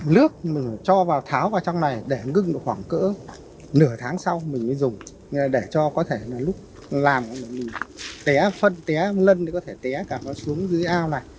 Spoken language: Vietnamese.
nước tháo vào trong này để ngưng khoảng nửa tháng sau mình dùng để cho có thể lúc làm mình té phân té lân để có thể té cả nó xuống dưới ao này